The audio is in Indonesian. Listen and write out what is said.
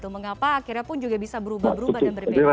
mengapa akhirnya pun juga bisa berubah berubah dan berbeda